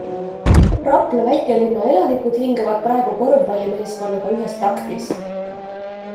Rapla väikelinna elanikud hingavad praegu korvpallimeeskonnaga ühes taktis.